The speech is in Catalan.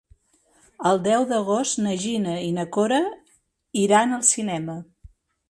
El deu d'agost na Gina i na Cora iran al cinema.